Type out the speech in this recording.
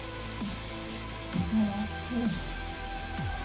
Dzigara reni?